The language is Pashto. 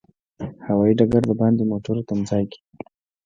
هوایي ډګر د باندې موټرو تمځای کې.